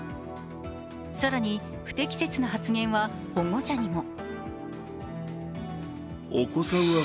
更に不適切な発言は保護者にも。